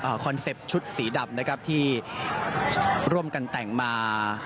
คอนเซ็ปต์ชุดสีดำนะครับที่ร่วมกันแต่งมา